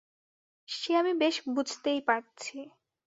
সে আমি বেশ বুঝতেই পারছি।